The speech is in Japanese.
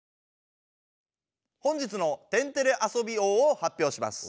本日の「天てれ遊び王」を発表します。